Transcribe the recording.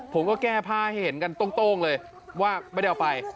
ผมก็แก้ผ้าให้เห็นกันโต้งเลยว่าไม่ได้เอาไป